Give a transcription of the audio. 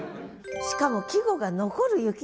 しかも季語が「残る雪」なんです。